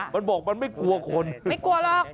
มันบอกมันไม่กลัวคนไม่กลัวหรอก